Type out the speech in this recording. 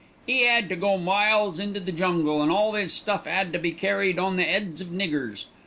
"'E 'ad to go miles into the jungle, and all 'is stuff 'ad to be carried on the 'eads of niggers.